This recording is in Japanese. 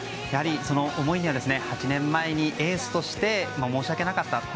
やはり、その思いには８年前にエースとして申し訳なかった。